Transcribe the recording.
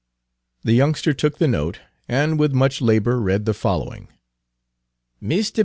The youngster took the note, and with much labor read the following: "MR.